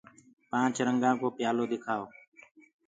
پآنچ رنگآ ڪو پيآ لو دکآئو